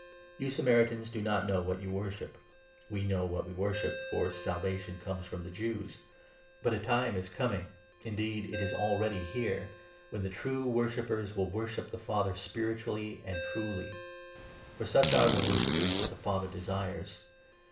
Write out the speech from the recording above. You Samaritans do not know what 22 you worship ; we know what we worship, for Salvation comes from the Jews. But a time is coming, indeed it is already 23 here, when the true worshippers will worship the Father spiritually and truly ; for such are the worshippers that the Father desires.